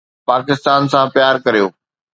پاڪستان سان پيار ڪريو